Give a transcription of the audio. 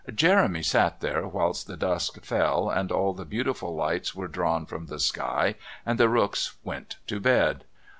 Jeremy sat there whilst the dusk fell and all the beautiful lights were drawn from the sky and the rooks went to bed.